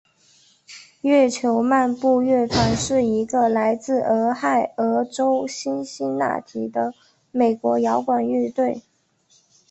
月球漫步乐团是一个来自俄亥俄州辛辛那提的美国摇滚乐队。